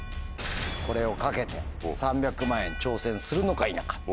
これを懸けて３００万円挑戦するのか否か。